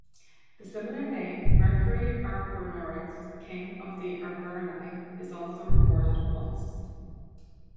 The similar name Mercury Arvernorix, 'king of the Arverni', is also recorded once.